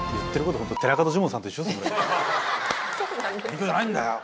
「勉強じゃないんだよ！」